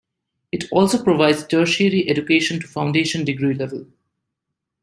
It also provides tertiary education to Foundation Degree level.